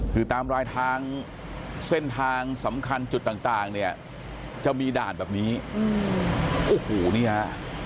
คือตามรายทางเส้นทางสำคัญจุดต่างเนี่ยจะมีด่านแบบนี้โอ้โหนี่ฮะ